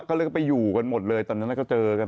ก็เลยไปอยู่กันหมดเลยตอนนั้นก็เจอกัน